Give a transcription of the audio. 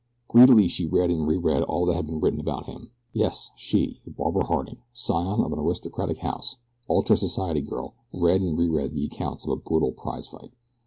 Greedily she read and re read all that had been written about him. Yes, she, Barbara Harding, scion of an aristocratic house ultra society girl, read and re read the accounts of a brutal prize fight.